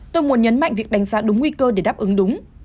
tôi muốn nhấn mạnh việc đánh giá đúng nguy cơ để đáp ứng đúng